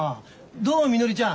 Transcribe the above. どうみのりちゃん？